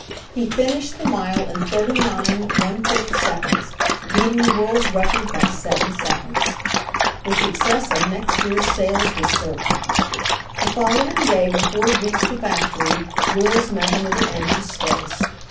He finished the mile in 39 1 5 seconds, beating the world's record by seven sec onds. The success of next year's sales was certain. The following day when Ford reached the fac tory, Wills met him with an anxious face.